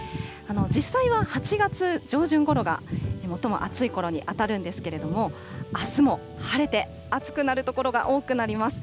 実際は８月上旬ごろが最も暑いころに当たるんですけれども、あすも晴れて暑くなる所が多くなります。